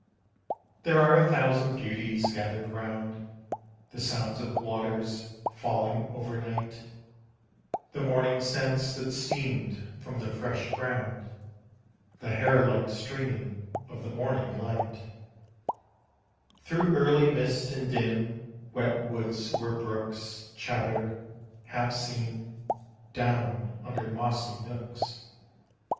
There are a thousand beauties gathered round, The sounds of waters falling over night, The morning scents that steamed from the fresh ground, The hair like streaming of the morning light Through early mists and dim, wet woods where brooks Chatter, half seen, down under mossy nooks.